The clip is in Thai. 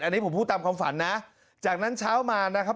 อันนี้ผมพูดตามความฝันนะจากนั้นเช้ามานะครับ